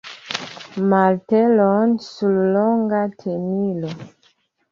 martelon sur longa tenilo.